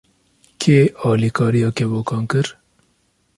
Kê alîkariya kevokan kir?